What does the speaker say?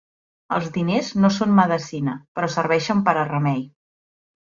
Els diners no són medecina, però serveixen per a remei.